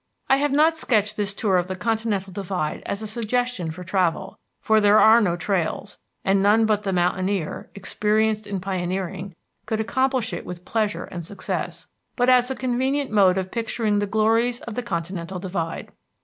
I have not sketched this tour of the continental divide as a suggestion for travel, for there are no trails, and none but the mountaineer, experienced in pioneering, could accomplish it with pleasure and success, but as a convenient mode of picturing the glories of the continental divide.